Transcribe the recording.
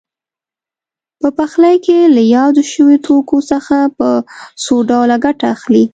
په پخلي کې له یادو شویو توکو څخه په څو ډوله ګټه اخلي.